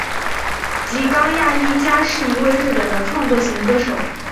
吉冈亚衣加是一位日本的创作型歌手。